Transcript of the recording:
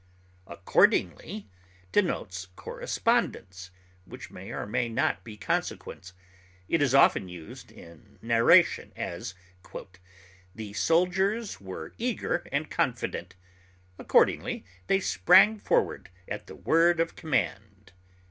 Accordingly denotes correspondence, which may or may not be consequence; it is often used in narration; as, "The soldiers were eager and confident; accordingly they sprang forward at the word of command."